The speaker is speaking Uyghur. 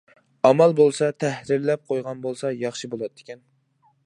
ئامال بولسا تەھرىرلەپ قويغان بولسا ياخشى بولاتتىكەن.